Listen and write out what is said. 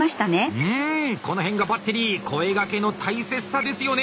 うんこの辺がバッテリー声がけの大切さですよね。